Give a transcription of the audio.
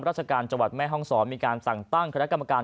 ราชการจังหวัดแม่ห้องศรมีการสั่งตั้งคณะกรรมการ